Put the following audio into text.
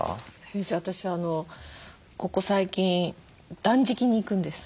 先生私ここ最近断食に行くんです。